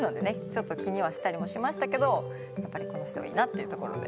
ちょっと気にはしたりもしましたけどやっぱりこの人がいいなっていうところで。